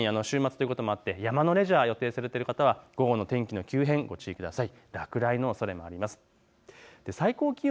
特に、週末ということもあって山のレジャーを予定されている方は午後の天気に注意してください。